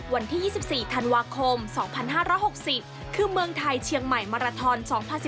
วันที่๒๔ธันวาคม๒๕๖๐คือเมืองไทยเชียงใหม่มาราทอน๒๐๑๙